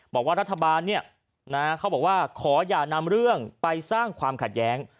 บอกว่ารัฐบาลเขาบอกว่าขออย่านำเรื่องไปสร้างความขัดแย้ง